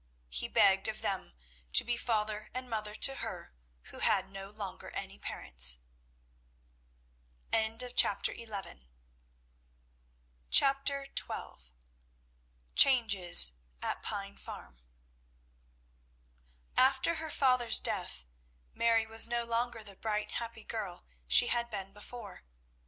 He begged of them to be father and mother to her who had no longer any parents. CHAPTER XII. CHANGES AT PINE FARM. After her father's death, Mary was no longer the bright happy girl she had been before.